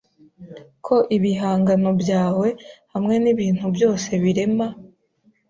Ko ibihangano byawe hamwe nibintu byose birema